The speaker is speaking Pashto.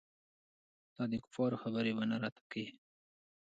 دا دکفارو خبرې به نه راته کيې.